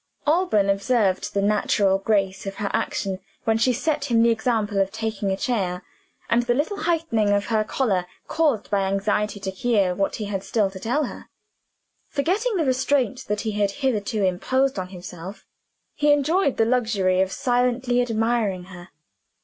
Alban observed the natural grace of her action when she set him the example of taking a chair, and the little heightening of her color caused by anxiety to hear what he had still to tell her. Forgetting the restraint that he had hitherto imposed on himself, he enjoyed the luxury of silently admiring her.